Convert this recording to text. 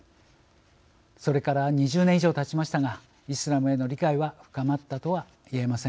それから２０年以上たちましたがイスラムへの理解は深まったとはいえません。